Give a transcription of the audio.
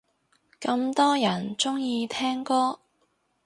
咁多人鍾意聽歌